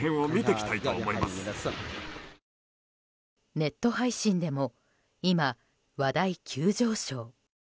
ネット配信でも今、話題急上昇。